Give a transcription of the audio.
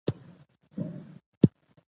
د دې چوکاټ د ماتولو څه نا څه هڅه کړې ده.